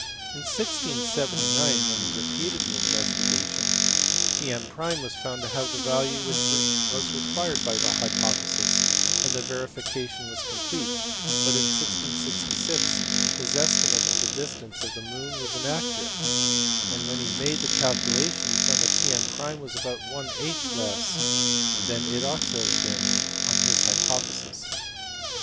In 1679, when he repeated the investigation, TM was found to have the value which was required by the hypothesis, and the verification was complete; but in 1666 his estimate of the distance of the moon was inaccurate, and when he made the calculation he found that TM was about one eighth less than it ought to have been on his hypothesis.